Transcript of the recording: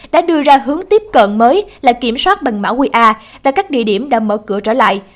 đã đưa ra hướng tiếp cận mới là kiểm soát bằng mã qr tại các địa điểm đã mở cửa trở lại